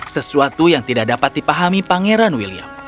sesuatu yang tidak dapat dipahami pangeran william